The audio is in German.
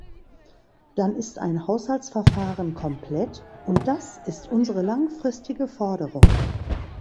Dann ist ein Haushaltsverfahren komplett, und das ist unsere langfristige Forderung!